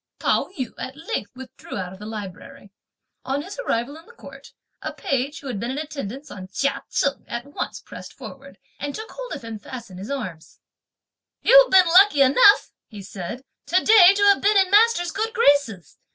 Pao yü at length withdrew out of the library. On his arrival in the court, a page, who had been in attendance on Chia Cheng, at once pressed forward, and took hold of him fast in his arms. "You've been lucky enough," he said, "to day to have been in master's good graces!